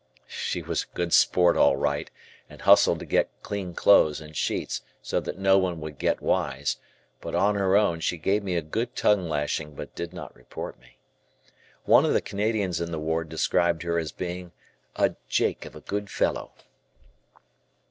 She was a good sport all right and hustled to get clean clothes and sheets so that no one would get wise, but "on her own" she gave me a good tongue lashing but did not report me. One of the Canadians in the ward described her as being "A Jake of a good fellow."